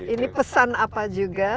ini pesan apa juga